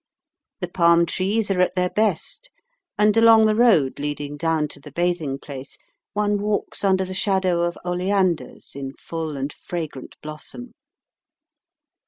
The palm trees are at their best, and along the road leading down to the bathing place one walks under the shadow of oleanders in full and fragrant blossom.